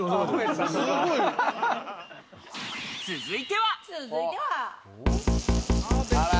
続いては。